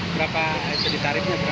berapa itu di tarifnya berapa